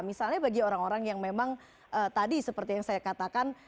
misalnya bagi orang orang yang memang tadi seperti yang saya katakan